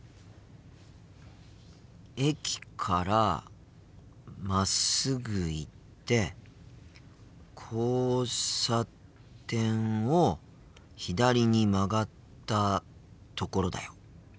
駅からまっすぐ行って交差点を左に曲がったところだよ。